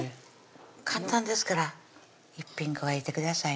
簡単ですから１品加えてくださいね